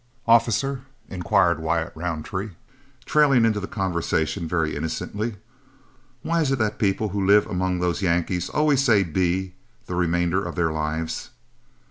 "Officer," inquired Wyatt Roundtree, trailing into the conversation very innocently, "why is it that people who live up among those Yankees always say 'be' the remainder of their lives?"